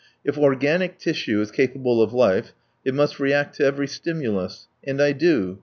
If organic tissue is capable of life it must react to every stimulus. And I do!